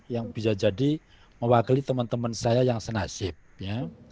yang bisa jadi mewakili teman teman saya yang senasib ya